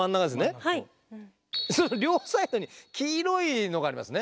両サイドに黄色いのがありますね。